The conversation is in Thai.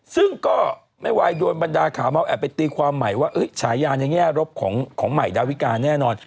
ซึ่งก็ไม่ไหวโดนบรรดาขาเมาแอบไปตีความใหม่ว่าฉายาในแง่รบของใหม่ดาวิกาแน่นอน